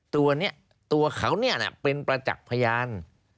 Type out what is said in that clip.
ตัวนี้ตัวเขานี่แหละเป็นประจักษ์พยาน